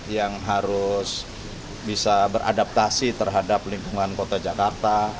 yang harus bisa beradaptasi terhadap lingkungan kota jakarta